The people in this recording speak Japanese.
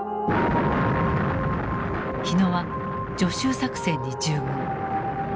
火野は徐州作戦に従軍。